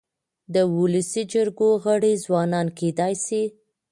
د ولسي جرګو غړي ځوانان کيدای سي.